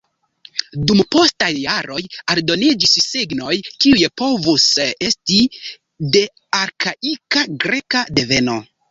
Dum postaj jaroj aldoniĝis signoj, kiuj povus esti de arkaika greka deveno.